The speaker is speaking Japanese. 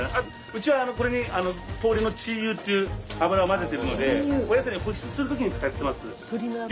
うちはこれに鶏の鶏油っていう油を混ぜてるのでお野菜に保湿する時に使ってます。